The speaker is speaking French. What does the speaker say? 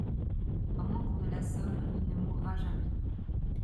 À moins qu’on ne l’assomme, il ne mourra jamais.